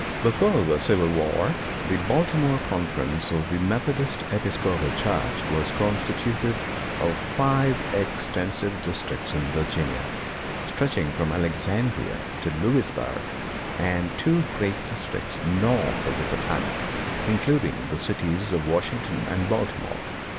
Before the Civil War, the Baltimore Conference of the Methodist Episcopal Church was constituted of five extensive districts in Virginia, stretching from Alexandria to Lewisburg and two great districts north of the Potomac, including the cities of Washington and Baltimore.